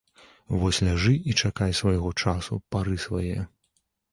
Вось ляжы і чакай свайго часу, пары свае.